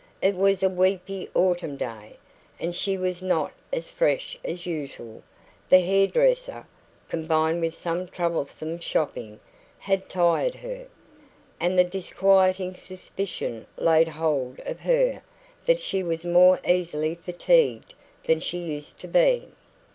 It was a weepy autumn day, and she was not as fresh as usual the hair dresser, combined with some troublesome shopping, had tired her and the disquieting suspicion laid hold of her that she was more easily fatigued than she used to be.